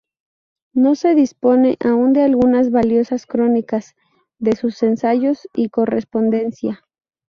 No se dispone aún de algunas valiosas crónicas, de sus ensayos y correspondencia.